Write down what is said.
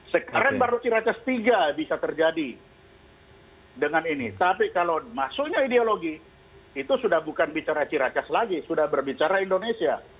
sekarang baru ciracas tiga bisa terjadi dengan ini tapi kalau masuknya ideologi itu sudah bukan bicara ciracas lagi sudah berbicara indonesia